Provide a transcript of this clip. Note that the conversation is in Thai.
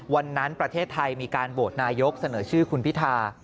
ประเทศไทยมีการโหวตนายกเสนอชื่อคุณพิธา